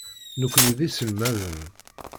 Nekni d iselmaden.